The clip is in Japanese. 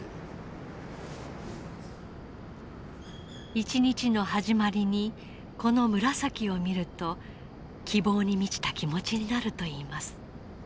一日の始まりにこの紫を見ると希望に満ちた気持ちになるといいます。